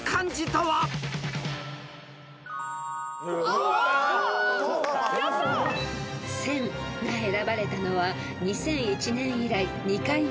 ［「戦」が選ばれたのは２００１年以来２回目］